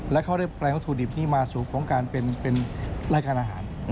และเขาได้แปลงวัตถุดิบนี้มาสู่ของการเป็นรายการอาหาร